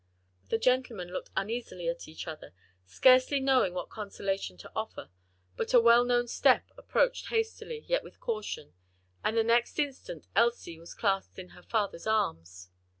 The gentlemen looked uneasily at each other, scarcely knowing what consolation to offer; but a well known step approached, hastily, yet with caution, and the next instant Elsie was clasped in her father's arms.